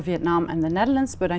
vì vậy trong tuần qua